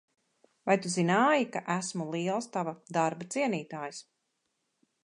Vai tu zināji, ka esmu liels tava darba cienītājs?